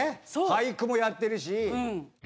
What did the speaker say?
俳句もやってるし。